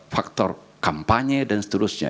faktor kampanye dan seterusnya